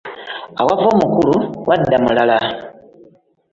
Awava omukulu wadda mulala.